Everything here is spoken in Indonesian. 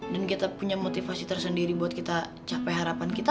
dan kita punya motivasi tersendiri buat kita capai harapan kita